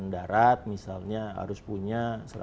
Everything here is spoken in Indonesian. darat misalnya harus punya